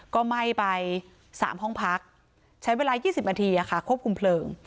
ก็ไหม้ไป๓ห้องพักใช้เวลา๒๐นาทีควบคุมเพลิง